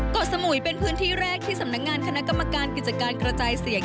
สมุยเป็นพื้นที่แรกที่สำนักงานคณะกรรมการกิจการกระจายเสียง